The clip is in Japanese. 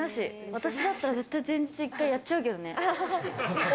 私だったら前日に１回やっちゃうけどね。